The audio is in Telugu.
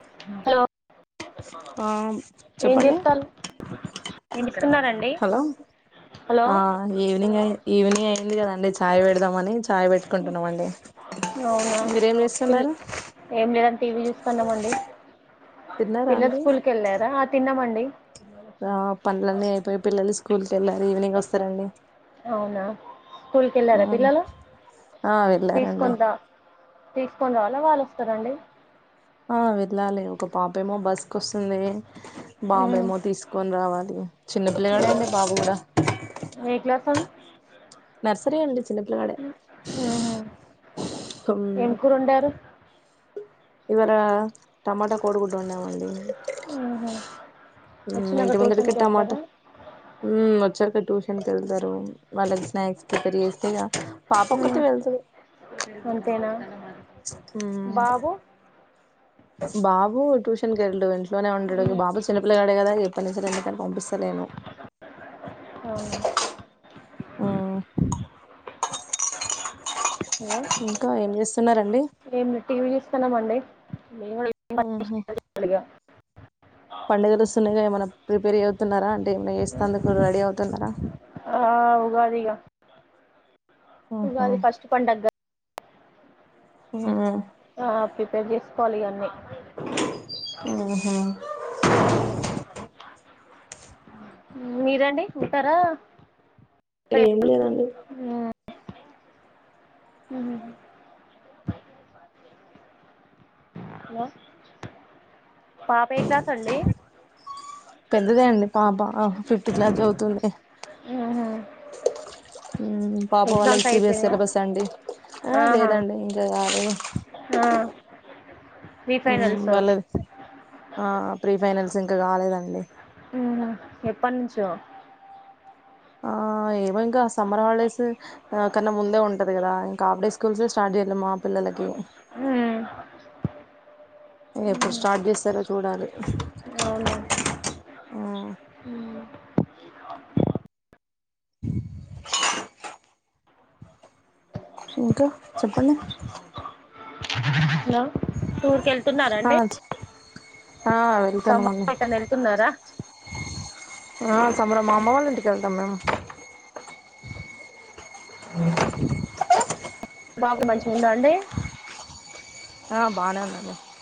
హలో ఆ ఏం చెప్పండి చేస్తారు వినిపిస్తున్నారండి హలో హలో ఈవినింగ్ ఈవినింగ్ అయింది కదా అండి చాయ్ పెడదామని చాయ్ పెట్టుకుంటున్నామండి అవునా మీరేం పిల్ చేస్తున్నారు ఏం లేదని టీవీ చూస్తున్నమండి తిన్నారా అండి పిల్లలుస్కూల్ కు వెళ్ళార తిన్నమండి ఆ పనులన్నీ అయిపోయి పిల్లలు స్కూల్ వెళ్లారు ఈవినింగ్ వస్తారండి అవునా స్కూల్కి ఉ వెళ్ళారా పిల్లలు ఆ వెళ్ళారండి తీసుకొని రా తీసుకొని రావాలా వాళ్ళు వస్తారండి ఆ వెళ్ళాలి ఒక పాపేమో బస్ క వస్తుంది బాబుమో తీసుకొని రావాలి చిన్నపిల్లలడ అండడి బాబు కూడా ఏ క్లాస్ అండి నర్సరీ అండి చిన్నపిల్ల కడే ఏం కూరుండారు ఇవాళ టమాటా కోడిగుడు వండామండి హుహు ఇంటి వందిట కట్టామాట వచ్చా కట్ ప వెళ్తారు వాళ్ళకి స్నాక్స్ పెరి చేస్తేగా పాపక్కతే వెళ్తుంది అంతేనా బాబు ఆ బాబు ట్యూషన్ కెల్లాడు ఇట్లోనే ఉండడు బాబు చినిపిల్లాగాేడే కదా పప్పనించడం ఎందుకని పంపిస్తలేను అవునా ఆ హలో ఇంకా ఏం చేస్తున్నారంండి ఇస్తున్నా అండి హు [inaudible] పండుగలు ున్నగా ఏమైన్నా ప్రిపేర్ అవుతున్నారా అంటే ఏమనా చేస్తేందుకు రెడీ అవుతున్నారా ఆ ఉగాదిగా మ్మ్ హు ఉగాది ఫస్ట్ పండగ కదా ఉ ఆ ప్రిపేర్ చేసుకోవాలి ఇగ అన్నిీ ఉహుమ్ అన్నీ మీరండి ఉంటారా ఏం లేదండి మ్ హలో పాప ఏ క్లాస్ అండి పెద్దదే అండి పాప ఆ ఫిఫ్త్ క్లాస్ చదువుతుంది పాప వాళ్ళకి ఎగ్జామ్స్ సిీబిఎస్ అయిపోయినాయా సిలబస్ అండి ఆహా లేదండి ఇంకా రాలేదు ఆ ప్రీ మ్ ఫైనల్స్ వాళది ఆ ప్రీ ఫైనాల్ ఇంక కాలేదండి మ్ ఎప్పటి నుంచో ఆ ఏమో ఇంకా సమ్మర్ హాలిడేస్ కన్నా ముందే ఉంటది కదా ఇంకా హఫ్ డే స్కూల్సే స్టార్ట్ చేయలే మా పిల్లలకి ఎప్పుడు స్టార్ట్ చేస్తారో చూడాలి అవును మ్ [unintelligible] ఇంకా చెప్పండి హలో టూర్కి వెళ్తున్నారాండి వెళ్తానమండి సమ్మర్ ఎటు అయినా వెళ్తున్నారా ఆ సమ్మర్ మా అమ్మ వాళ్ళ ఇంటికి వెళ్తాం మేము బాబు మంచిగా ఉన్నడండి ఆ బానే ఉన్నది